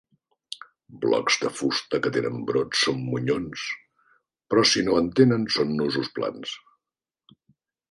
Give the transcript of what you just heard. Blocs de fusta que tenen brots són monyons, però si no en tenen són nusos plans.